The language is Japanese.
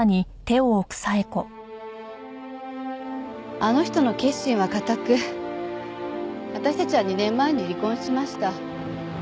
あの人の決心は固く私たちは２年前に離婚しました。